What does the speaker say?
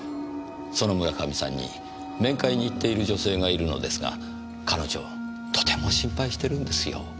その村上さんに面会に行っている女性がいるのですが彼女とても心配してるんですよ。